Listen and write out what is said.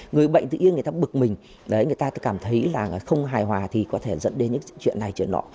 người bệnh tự yên người ta bực mình người ta cảm thấy là không hài hòa thì có thể dẫn đến những chuyện này chuyện đó